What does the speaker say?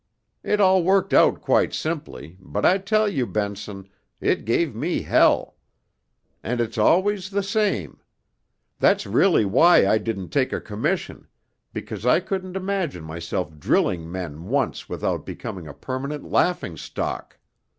It all worked out quite simply, but I tell you, Benson, it gave me hell. And it's always the same. That's really why I didn't take a commission because I couldn't imagine myself drilling men once without becoming a permanent laughing stock.